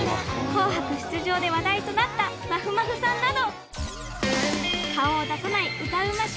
『紅白』出場で話題となったまふまふさんなど。